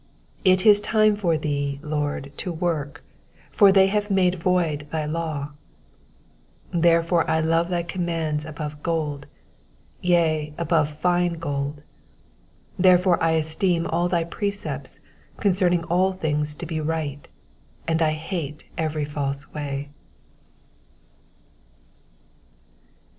126 It is time for theCj LORD, to work : for they have made void thy law. 127 Therefore I love thy commandments above gold ; yea, above fine gold. 128 Therefore I esteem all thy precepts concerning all things to be right ; and I hate every false way.